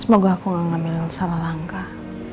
semoga aku gak ngambil salah langkah